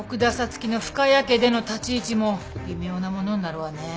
月の深谷家での立ち位置も微妙なものになるわね。